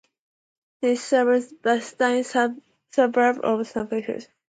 It serves the Brisbane suburb of Shorncliffe.